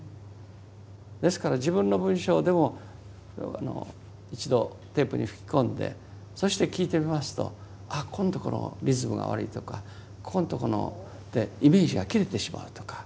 ですから自分の文章でも一度テープに吹き込んでそして聞いてみますとあここのところリズムが悪いとかここのところでイメージが切れてしまうとか。